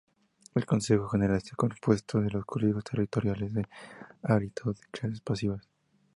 El Consejo General está compuesto de los colegios territoriales de habilitados de clases pasivas.